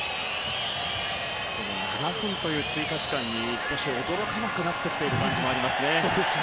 ７分という追加時間に驚かなくなってきた感じもありますね。